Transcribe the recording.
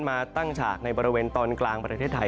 มาตั้งฉากในบริเวณตอนกลางประเทศไทย